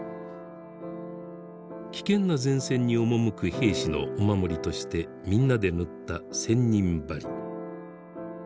危険な前線に赴く兵士のお守りとしてみんなで縫った千人針。